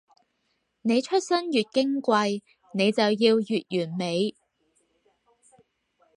你出身越矜貴，你就要越完美